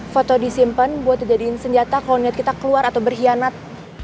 foto disimpan buat dijadikan senjata kalau niat kita keluar atau berkhianat